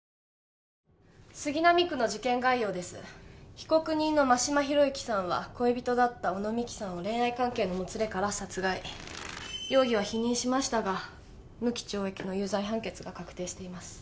被告人の真島博之さんは恋人だった小野美希さんを恋愛関係のもつれから殺害容疑は否認しましたが無期懲役の有罪判決が確定しています